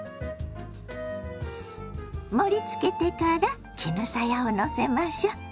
盛りつけてから絹さやをのせましょ。